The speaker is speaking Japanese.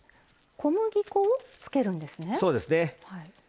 小麦粉をつけるんですね。